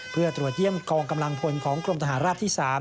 เพื่อตรวจเยี่ยมกองกำลังพลของกรมทหารราบที่๓